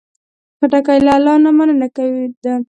خټکی له الله نه مننه ده.